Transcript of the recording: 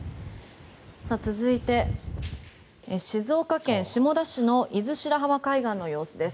続いて静岡県下田市の伊豆白浜海岸の様子です。